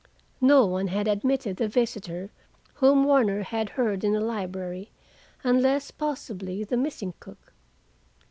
No one had admitted the visitor whom Warner had heard in the library, unless, possibly, the missing cook.